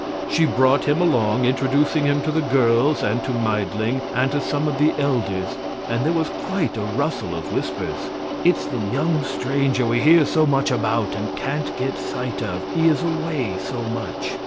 She brought him along, introducing him to the girls, and to Meidling, and to some of the elders; and there was quite a rustle of whispers: "It's the young stranger we hear so much about and can't get sight of, he is away so much."